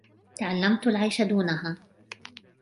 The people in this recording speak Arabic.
تعلّمتُ العيش دونها.